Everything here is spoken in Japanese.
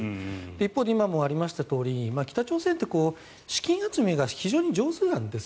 一方で今もありましたとおり北朝鮮って資金集めが非常に上手なんです。